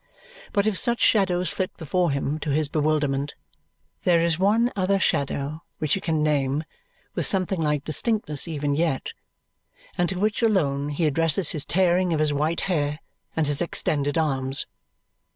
But if such shadows flit before him to his bewilderment, there is one other shadow which he can name with something like distinctness even yet and to which alone he addresses his tearing of his white hair and his extended arms.